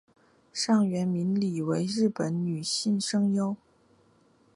上原明里为日本女性声优。